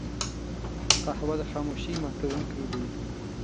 قهوه د خاموشۍ ماتونکی دی